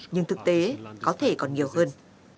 nhưng thực tế có thể còn nhiều hơn